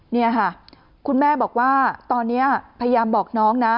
นี่ค่ะคุณแม่บอกว่าตอนนี้พยายามบอกน้องนะ